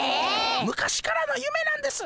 昔からのゆめなんです。